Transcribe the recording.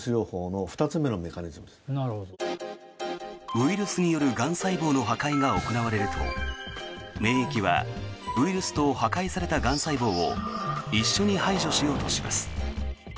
ウイルスによるがん細胞の破壊が行われると免疫はウイルスと破壊されたがん細胞を一緒に排除しようとします。